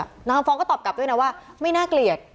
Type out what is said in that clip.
นางคำฟองก็ตอบกลับด้วยนะว่าไม่น่าเกลียด